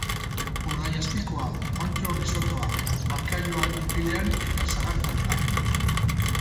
Urdaiazpikoa, onddo risottoa, bakailaoa pil-pilean eta sagar-tarta.